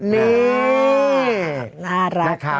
นี่น่ารัก